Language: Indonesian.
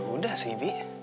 udah sih bi